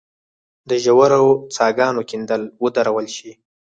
د ژورو څاه ګانو کیندل ودرول شي.